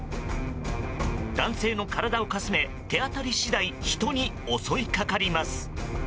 男性の体をかすめ、手当たり次第人に襲いかかります。